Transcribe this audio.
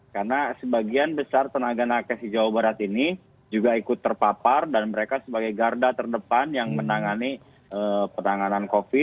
karena sebagian besar tenaga nakes di jawa barat ini juga ikut terpapar dan mereka sebagai garda terdepan yang menangani